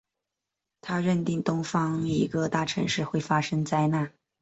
他认定东方一个大城市会发生灾难。